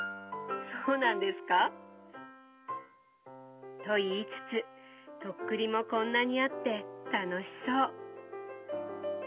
そうなんですか？と言いつつ徳利もこんなにあって楽しそう。